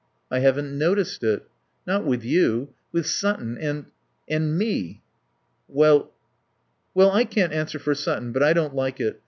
"I haven't noticed it." "Not with you. With Sutton and and me." "Well " "Well, I can't answer for Sutton, but I don't like it.